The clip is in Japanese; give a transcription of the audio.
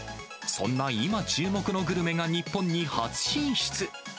そんな今、注目のグルメが日本に初進出。